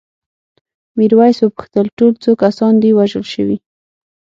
میرويس وپوښتل ټول څو کسان دي وژل شوي؟